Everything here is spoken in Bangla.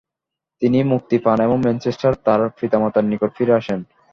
তিনি মুক্তি পান এবং ম্যানচেস্টারে তার পিতামাতার নিকট ফিরে আসেন।